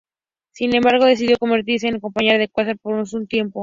Sin embargo, decidió convertirse en compañera de Quasar por un tiempo.